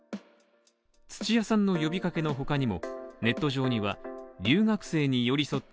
土屋さんの呼びかけのほかにも、ネット上には留学生に寄り添った